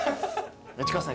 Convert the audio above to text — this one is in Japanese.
市川さん